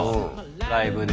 ライブで。